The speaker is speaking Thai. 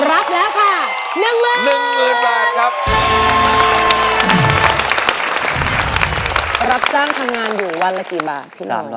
รับสร้างทำงานอยู่วันละกี่บาท